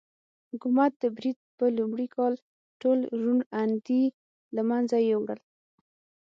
حکومت د برید په لومړي کال ټول روڼ اندي له منځه یووړل.